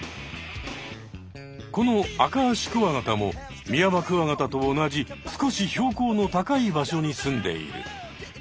このアカアシクワガタもミヤマクワガタと同じ少し標高の高い場所にすんでいる。